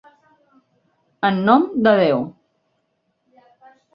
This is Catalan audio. En nom de Déu.